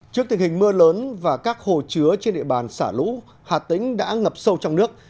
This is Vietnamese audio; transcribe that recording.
trước tình hình mưa lớn và các hồ chứa trên địa bàn xả lũ hà tĩnh đã ngập sâu trong nước